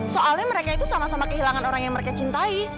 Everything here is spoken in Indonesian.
soalnya mereka itu sama sama kehilangan orang yang mereka cintai